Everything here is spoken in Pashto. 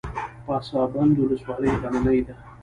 پسابند ولسوالۍ غرنۍ ده؟